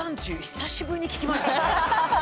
久しぶりに聞きましたね。